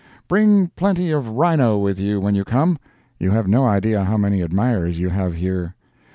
Bring plenty of rhino with you when you come; you have no idea how many admirers you have here.